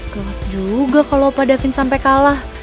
gelap juga kalo opa davin sampe kalah